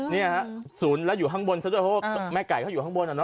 นี่ฮะสูนแล้วอยู่ห้างบนซะด้วยเพราะว่าแม่ไก่ก็อยู่ห้างบนน่ะเนอะ